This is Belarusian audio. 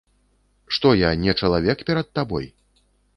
Што я не чалавек перад табой?